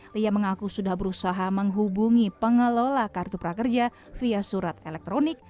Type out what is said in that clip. lia mengaku sudah berusaha menghubungi pengelola kartu prakerja via surat elektronik